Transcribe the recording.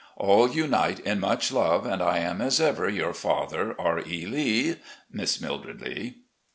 All unite in much love, and I am, as ever, " Your father, R. E. Lee. "Miss Mildred Lee.